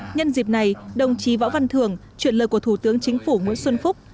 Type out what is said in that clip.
nhân dịp này đồng chí võ văn thường chuyển lời của thủ tướng chính phủ nguyễn xuân phúc